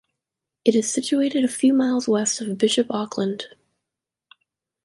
It is situated a few miles west of Bishop Auckland.